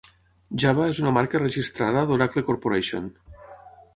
"Java" és una marca registrada d'Oracle Corporation.